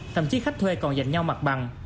thậm chí khách thuê còn dành nhau mặt bằng